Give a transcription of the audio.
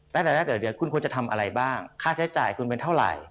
แต่ละเดือนคุณควรจะทำอะไรบ้างค่าใช้จ่ายคุณเป็นเท่าไหร่